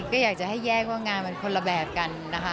ก็อยากจะให้แยกว่างานมันคนละแบบกันนะคะ